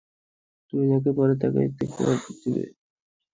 তুমি যাকে পাবে তাকেই শ্যুট করে দিবা।